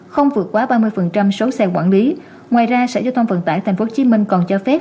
không vượt quá ba mươi số xe quản lý ngoài ra sở giao thông vận tải tp hcm còn cho phép